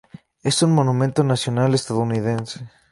Es un monumento nacional estadounidense.